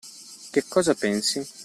Che cosa pensi?